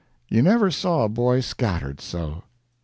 You never saw a boy scattered so.